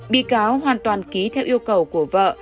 bị cáo hoàn toàn ký theo yêu cầu của vợ